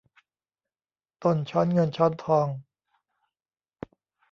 ต้นช้อนเงินช้อนทอง